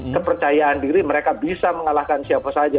kepercayaan diri mereka bisa mengalahkan siapa saja